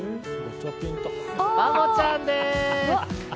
バボちゃんです！